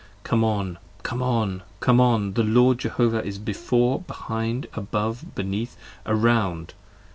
Come on! Come on! Come on! The Lord Jehovah is before, behind, above, beneath, around.